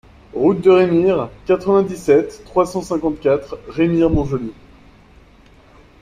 Route de Rémire, quatre-vingt-dix-sept, trois cent cinquante-quatre Remire-Montjoly